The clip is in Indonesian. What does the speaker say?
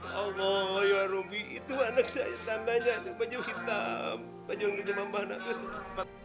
lihat allah ya rabbi itu anak saya tandanya ada baju hitam baju yang dijemah jemah anak itu